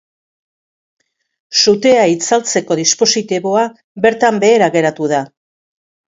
Sutea itzaltzeko dispositiboa bertan behera geratu da.